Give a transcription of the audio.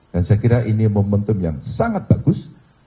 dan saya kira ini momentum yang sangat bagus